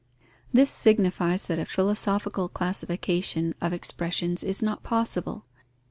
This signifies that a philosophical classification of expressions is not possible.